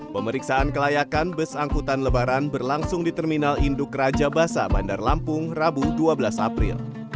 pemeriksaan kelayakan bus angkutan lebaran berlangsung di terminal induk raja basa bandar lampung rabu dua belas april